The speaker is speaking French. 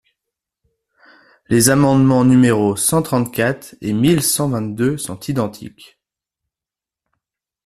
Les amendements numéros cent trente-quatre et mille cent vingt-deux sont identiques.